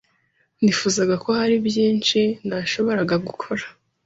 Nifuzaga ko hari byinshi nashoboraga gukora.